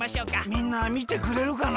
みんなみてくれるかな。